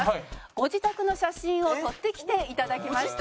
ご自宅の写真を撮ってきていただきました。